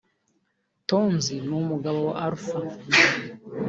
Tonzi n’umugabo we Alpha